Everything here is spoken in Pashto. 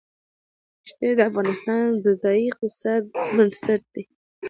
ښتې د افغانستان د ځایي اقتصادونو بنسټ دی.